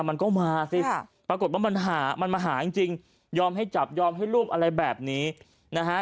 มันมาหาจริงจริงยอมให้จับยอมให้รูปอะไรแบบนี้เน่ะฮะ